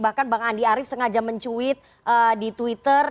bahkan bang andi arief sengaja mencuit di twitter